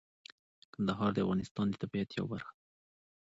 کندهار د افغانستان د طبیعت یوه برخه ده.